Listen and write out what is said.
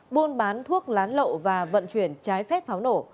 buôn bán thuốc lán lộ và vận chuyển trái phép pháo nổ